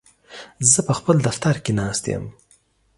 زه په خپل دفتر کې ناست یم.